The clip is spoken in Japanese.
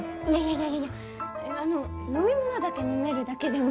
いやいや飲み物だけ飲めるだけでも。